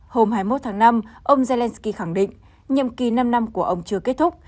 hôm hai mươi một tháng năm ông zelensky khẳng định nhiệm kỳ năm năm của ông chưa kết thúc